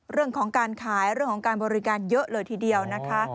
เรื่องของการขายเรื่องของการบริการเยอะเลยทีเดียวนะคะ